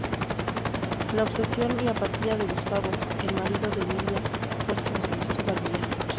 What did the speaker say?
La obsesión y apatía de Gustavo, el marido de Emilia, por demostrar su valía.